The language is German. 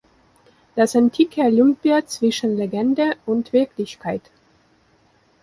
Das antike Olympia zwischen Legende und Wirklichkeit.